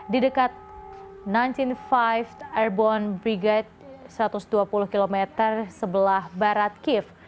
di dekat sembilan belas lima airborne brigaite satu ratus dua puluh km sebelah barat kiev